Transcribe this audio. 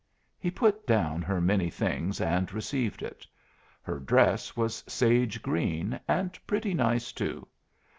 He put down her many things and received it. Her dress was sage green, and pretty nice too.